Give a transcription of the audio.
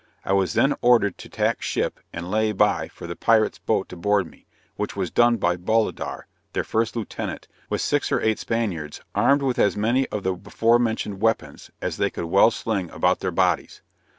I was then ordered to tack ship and lay by for the pirates' boat to board me; which was done by Bolidar, their first lieutenant, with six or eight Spaniards armed with as many of the before mentioned weapons as they could well sling about their bodies.